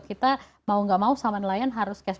kita mau gak mau sama nelayan harus cash